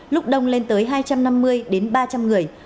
lúc đông lên tới hai trăm năm mươi đến ba trăm linh người